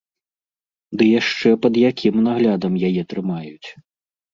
Ды яшчэ пад якім наглядам яе трымаюць!